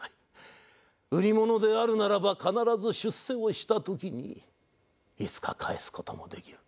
売り物であるならば必ず出世をした時にいつか返す事もできる。